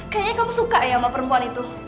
kayaknya kamu suka ya sama perempuan itu